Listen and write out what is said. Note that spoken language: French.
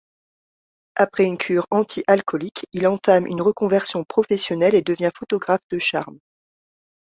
Après une cure anti-alcoolique, il entame une reconversion professionnelle et devient photographe de charme.